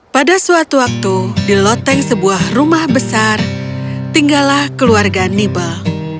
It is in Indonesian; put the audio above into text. pada suatu waktu di loteng sebuah rumah besar tinggalah keluarga nibel